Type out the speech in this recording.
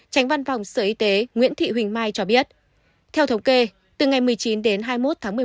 tránh văn phòng sở y tế nguyễn thị huỳnh mai cho biết theo thống kê từ ngày một mươi chín đến hai mươi một tháng một mươi một